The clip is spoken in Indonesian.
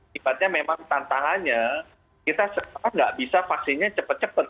tiba tiba memang tantangannya kita cepat tidak bisa vaksinnya cepat cepat